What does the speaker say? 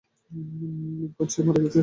Lincoln, সে মারা গেছে।